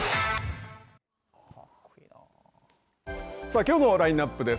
きょうのラインナップです。